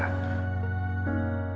pertemuan dengan mereka